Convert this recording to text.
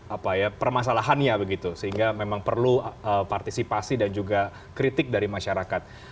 apa ya permasalahannya begitu sehingga memang perlu partisipasi dan juga kritik dari masyarakat